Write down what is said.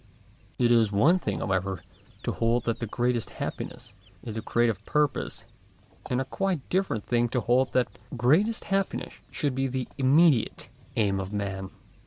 It is one thing, however, to hold that greatest happiness is • the creative purpose, and a quite different thing to hold that greatest happiness should be the immediate aim of man.